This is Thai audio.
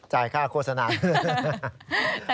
จ่ายค่าโคตรสนับ